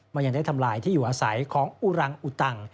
มันยังได้ทำลายที่อยู่อาศัยของอุรังอุตัง